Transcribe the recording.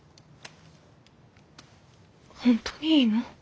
本当にいいの？